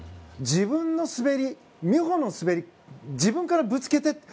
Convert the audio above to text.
自分の滑り美帆の滑り、自分からぶつけて。